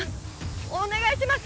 お願いします。